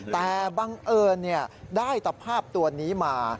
แต่บังเอิญได้ตะภาพตัวนี้มา